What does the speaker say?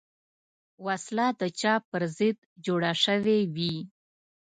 وسله د چا پر ضد جوړه شوې وي